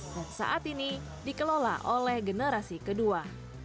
dan saat ini dikelola oleh generasi kedua